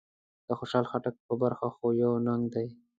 د خوشحال خټک په برخه خو يو ننګ دی.